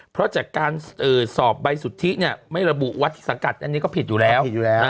เพราะจากการสอบใบสุทธิไม่ระบุวัฒน์สังกัดอันนี้ก็ผิดอยู่แล้ว